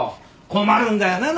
困るんだよな。